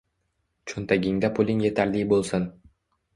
Cho'ntagingda puling yetarli bo'lsin.